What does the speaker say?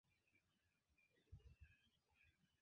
Tiu tradicio havas rangon de nacia turisma intereso.